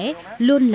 những hành động đẹp đẽ